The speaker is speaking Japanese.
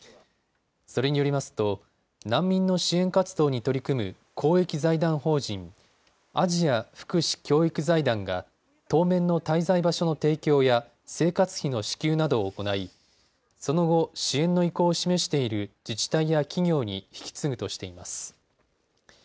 それによりますと難民の支援活動に取り組む公益財団法人アジア福祉教育財団が当面の滞在場所の提供や生活費の支給などを行い、その後、支援の意向を示している自治体や企業に引き継ぐとしています。